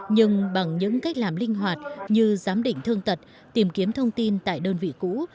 nhưng bằng những cách làm linh hoạt như giám định thương tật tìm kiếm thông tin tại đơn vị cũ